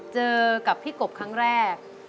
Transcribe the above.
เจอกับพี่กบครั้งแรก